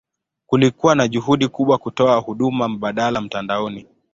Kulikuwa na juhudi kubwa kutoa huduma mbadala mtandaoni.